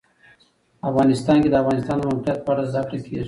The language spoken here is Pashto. افغانستان کې د د افغانستان د موقعیت په اړه زده کړه کېږي.